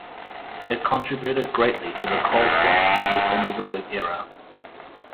It contributed greatly to the coal swamps of the Cenozoic era.